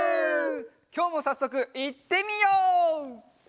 きょうもさっそくいってみよう！